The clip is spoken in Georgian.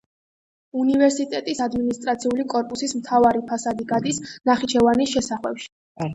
უნივერსიტეტის ადმინისტრაციული კორპუსის მთავარი ფასადი გადის ნახიჩევანის შესახვევში.